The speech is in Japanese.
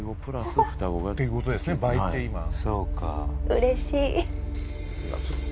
うれしい。